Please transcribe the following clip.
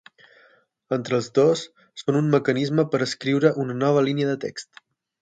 Entre els dos, són un mecanisme per escriure una nova línia de text.